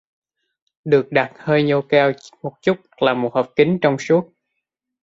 Được đặt hơi nhô cao một chút là một hộp kính trong suốt